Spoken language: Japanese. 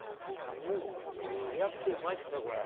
うん。早くてうまいっすねこれ。